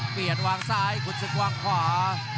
เปลี่ยนวางซ้ายคุณศึกวางขวา